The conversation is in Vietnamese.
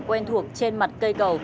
quen thuộc trên mặt cây cầu